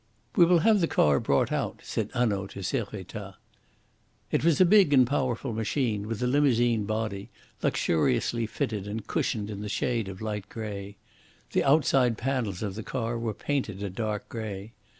"We will have the car brought out," said Hanaud to Servettaz. It was a big and powerful machine with a limousine body, luxuriously fitted and cushioned in the shade of light grey. The outside panels of the car were painted a dark grey.